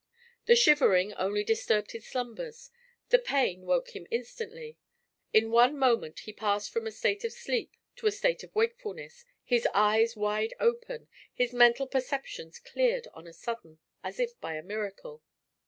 The shivering only disturbed his slumbers; the pain woke him instantly. In one moment he passed from a state of sleep to a state of wakefulness his eyes wide open his mental perceptions cleared on a sudden, as if by a miracle.